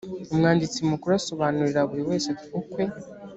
umwanditsi mukuru asobanurira buri wese ukwe